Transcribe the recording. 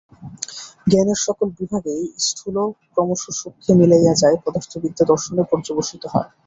জ্ঞানের সকল বিভাগেই স্থূল ক্রমশ সূক্ষ্মে মিলাইয়া যায়, পদার্থবিদ্যা দর্শনে পর্যবসিত হয়।